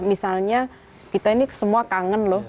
misalnya kita ini semua kangen loh